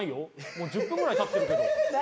もう１０分ぐらいたってるけどヒヒヒヒヒヒ！